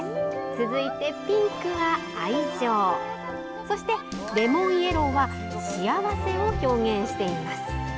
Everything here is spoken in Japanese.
続いてピンクは愛情そしてレモンイエローは幸せを表現しています。